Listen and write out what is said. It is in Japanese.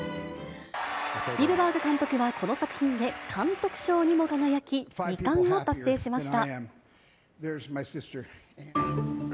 スピルバーグ監督はこの作品で監督賞にも輝き、２冠を達成しました。